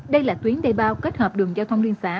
đây là tuyến đề bao kết hợp đường giao thông liên xã